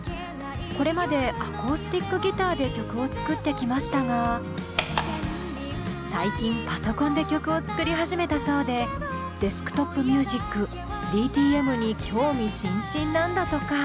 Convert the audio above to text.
これまでアコースティックギターで曲を作ってきましたが最近パソコンで曲を作り始めたそうでＤｅｓｋＴｏｐＭｕｓｉｃＤＴＭに興味津々なんだとか。